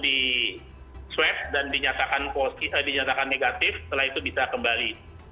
di swab dan dinyatakan negatif setelah itu bisa kembali